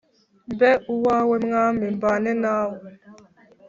Mbe uwawe Mwami mbane nawe,